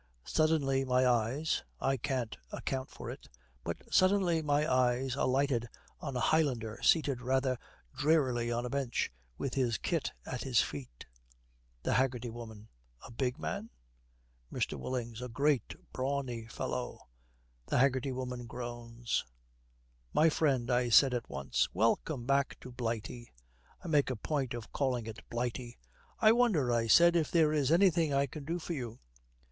Suddenly my eyes I can't account for it but suddenly my eyes alighted on a Highlander seated rather drearily on a bench, with his kit at his feet.' THE HAGGERTY WOMAN. 'A big man?' MR. WILLINGS. 'A great brawny fellow.' The Haggerty Woman groans. '"My friend," I said at once, "welcome back to Blighty." I make a point of calling it Blighty. "I wonder," I said, "if there is anything I can do for you?"